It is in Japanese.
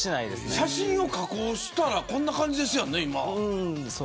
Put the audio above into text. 写真を加工したらこんな感じですよね。